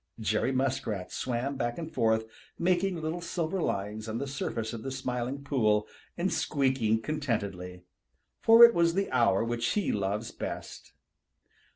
Jerry Muskrat swam back and forth, making little silver lines on the surface of the Smiling Pool and squeaking contentedly, for it was the hour which he loves best.